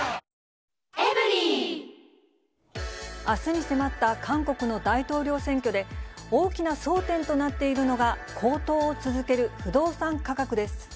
あすに迫った韓国の大統領選挙で、大きな争点となっているのが、高騰を続ける不動産価格です。